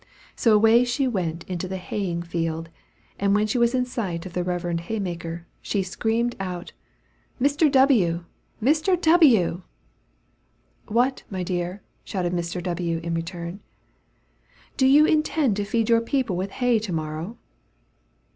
So away she went to the haying field, and when she was in sight of the reverend haymaker, she screamed out, "Mr. W., Mr. W." "What, my dear?" shouted Mr. W. in return. "Do you intend to feed your people with hay to morrow?"